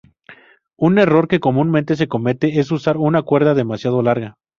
Un error que comúnmente se comete es usar una cuerda demasiado larga.